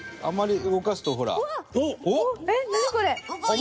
あんまり動かすとほら。